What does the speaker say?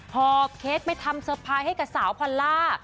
หอบเค้กไปทำเซอร์ไพรส์ให้กับสาวพอลล่า